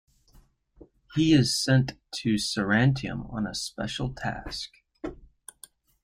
He is sent to Sarantium on a special task.